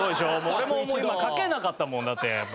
俺も今書けなかったもんやっぱ。